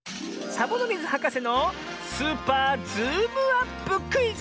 サボノミズはかせの「スーパーズームアップクイズ」！